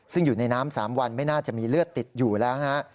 ซึ่งอยู่ในน้ำ๓วันไม่น่าจะมีเลือดติดอยู่แล้วนะฮะ